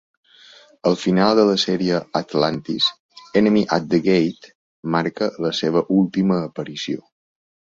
El final de la sèrie "Atlantis", "Enemy at the Gate", marca la seva última aparició.